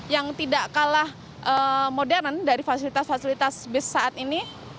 yang tidak kalah modern dari fasilitas fasilitas bus saat ini